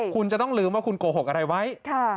คุณจะต้องลืมว่าคุณโกหกอะไรไว้